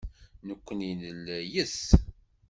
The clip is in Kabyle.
Nekkni nella yes-s.